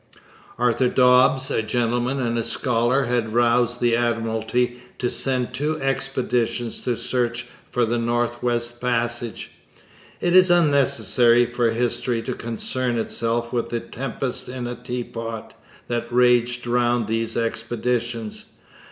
Arthur Dobbs, a gentleman and a scholar, had roused the Admiralty to send two expeditions to search for the North West Passage. It is unnecessary for history to concern itself with the 'tempest in a teapot' that raged round these expeditions.